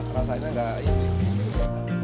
rasanya enggak ini